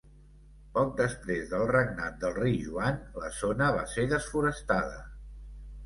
Poc després del regnat del Rei Joan, la zona va ser desforestada.